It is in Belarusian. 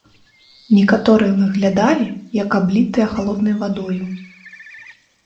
Некаторыя выглядалі, як аблітыя халоднай вадою.